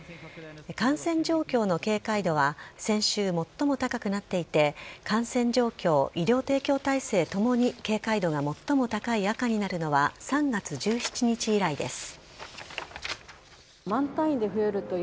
感染状況の警戒度は先週、最も高くなっていて感染状況、医療提供体制ともに警戒度が最も高い赤になるのは３月１７日以来です。